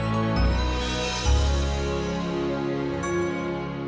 saya tidak pernah mencintai ibu nawang